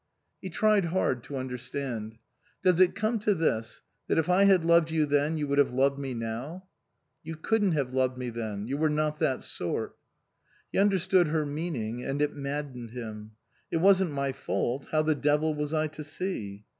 He tried hard to understand. " Does it come to this that if I had loved you then you would have loved me now?" " You couldn't have loved me then. You were not that sort." He understood her meaning and it maddened him. " It wasn't my fault. How the devil was I to see